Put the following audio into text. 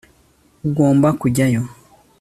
ugomba kujyayo